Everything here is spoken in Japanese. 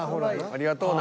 ありがとうな。